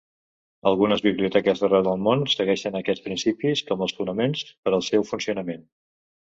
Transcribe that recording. Algunes biblioteques d’arreu del món segueixen aquests principis com els fonaments per al seu funcionament.